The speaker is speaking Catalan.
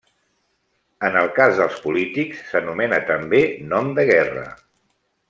En el cas dels polítics, s'anomena també nom de guerra.